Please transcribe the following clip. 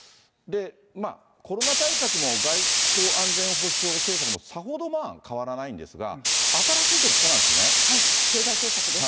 まあコロナ対策も外交安全保障対策も、さほど変わらないんですが、経済政策です。